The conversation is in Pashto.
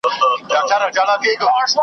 بلکې تاریخ یې د ملت